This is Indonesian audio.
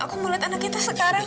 aku mau lihat anak kita sekarang